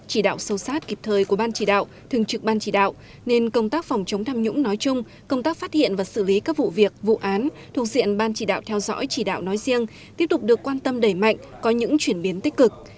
chỉ đạo sâu sát kịp thời của ban chỉ đạo thường trực ban chỉ đạo nên công tác phòng chống tham nhũng nói chung công tác phát hiện và xử lý các vụ việc vụ án thuộc diện ban chỉ đạo theo dõi chỉ đạo nói riêng tiếp tục được quan tâm đẩy mạnh có những chuyển biến tích cực